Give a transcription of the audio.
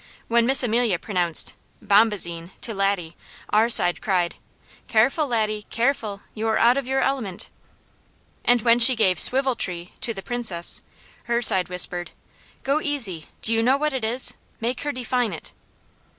When Miss Amelia pronounced "bombazine" to Laddie our side cried, "Careful, Laddie, careful! you're out of your element!" And when she gave "swivel tree" to the Princess, her side whispered, "Go easy! Do you know what it is? Make her define it."